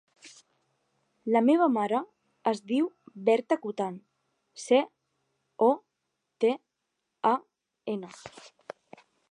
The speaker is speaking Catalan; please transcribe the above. La meva mare es diu Berta Cotan: ce, o, te, a, ena.